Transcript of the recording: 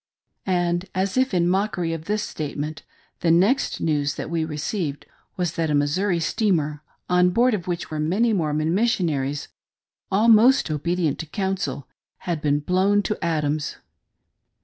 And, as if in mockery of this statement, the next news that we received was that a Missouri steamer, on board of which were many Mormon Missionaries — all most obedient to counsel — had been blown to atoms.